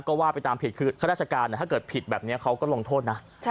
ก็ว่าไปตามผิดคือข้าราชการถ้าเกิดผิดแบบนี้เขาก็ลงโทษนะ